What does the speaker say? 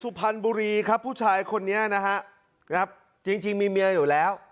สุพรรณบุรีครับผู้ชายคนนี้นะฮะครับจริงจริงมีเมียอยู่แล้ว